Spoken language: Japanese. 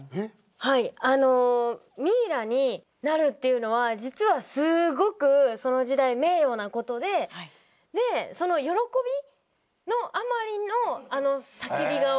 はいミイラになるっていうのは実はすごくその時代名誉なことででその喜びのあまりの叫び顔。